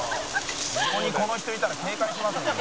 「横にこの人いたら警戒しますよ」